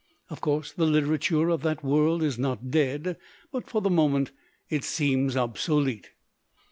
Of course the litera ture of that world is not dead, but for the moment it seems obsolete.